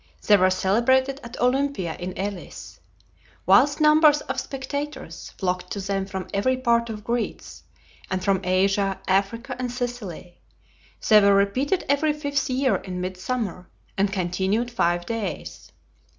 They were celebrated at Olympia in Elis. Vast numbers of spectators flocked to them from every part of Greece, and from Asia, Africa, and Sicily. They were repeated every fifth year in mid summer, and continued five days.